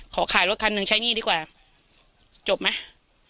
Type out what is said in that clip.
ขอขายรถคันหนึ่งใช้หนี้ดีกว่าจบไหม